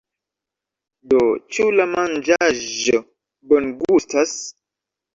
Do, ĉu la manĝaĵo bongustas?